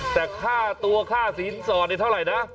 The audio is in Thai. แต่ข้าวตัวข้าวสีศรนอยู่เท่าไหร่นะ